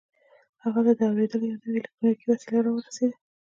هغه ته د اورېدلو یوه نوې الکټرونیکي وسیله را ورسېده